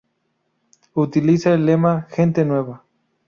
Utiliza el lema "Gente Nueva".